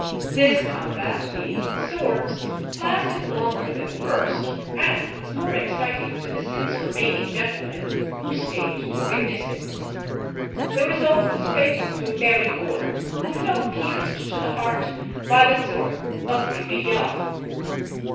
This combat, being with swords, lasted longer than the first, and was more exciting to the six remaining gentlemen who stayed to witness it. The result was fatal to Héricourt, who fell pierced to the heart by the sword of De Villars.